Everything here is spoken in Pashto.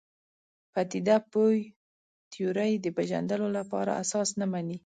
پدیده پوه تیورۍ د پېژندلو لپاره اساس نه مني.